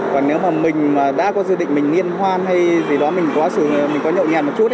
còn nếu mà mình đã có dự định mình nghiên hoan hay gì đó mình có nhộn nhạt một chút